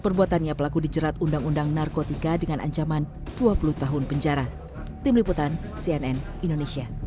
perbuatannya pelaku dijerat undang undang narkotika dengan ancaman dua puluh tahun penjara tim liputan cnn indonesia